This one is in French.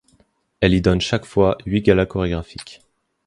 Elle y donne chaque fois huit galas chorégraphiques.